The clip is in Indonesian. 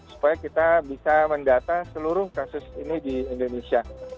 supaya kita bisa mendata seluruh kasus ini di indonesia